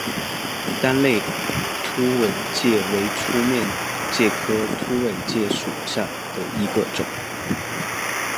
单肋凸尾介为粗面介科凸尾介属下的一个种。